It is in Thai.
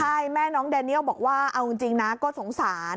ใช่แม่น้องแดเนียลบอกว่าเอาจริงนะก็สงสาร